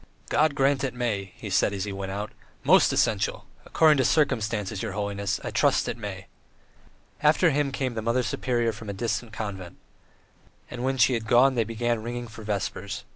"God grant it may," he said as he went away. "Most essential! According to circumstances, your holiness! I trust it may!" After him came the Mother Superior from a distant convent. And when she had gone they began ringing for vespers.